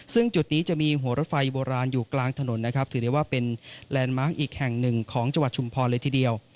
ซึ่งจุดนี้จะมีหัวรถไฟโบราณอยู่กลางถนนนะครับถือได้ว่าเป็นแลนด์มาร์คอีกแห่งหนึ่งของจังหวัดชุมพรเลยทีเดียว